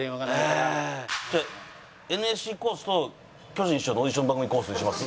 じゃあＮＳＣコースと巨人師匠のオーディション番組コースにします？